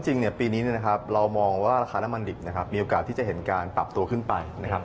จริงเนี่ยปีนี้เรามองว่าราคาน้ำมันดิบนะครับมีโอกาสที่จะเห็นการปรับตัวขึ้นไปนะครับ